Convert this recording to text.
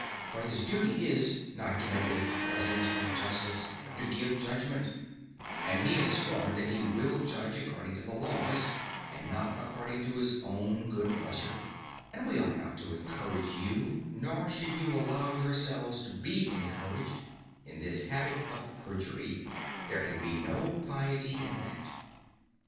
For his duty is, not to make a present of justice, but to give judgment; and he has sworn that he will judge according to the laws, and not according to his own good pleasure; and we ought not to encourage you, nor should you allow yourselves to be encouraged, in this habit of perjury—there can be no piety in that.